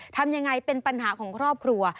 ทำยังไงเป็นปัญหาของครอบครัว